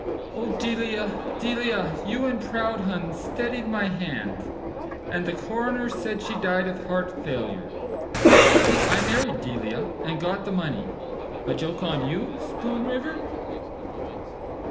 — Oh Delia, Delia, you and Proudhon Steadied my hand, and the coroner Said she died of heart failure. I married Delia and got the money— A joke on you, Spoon River?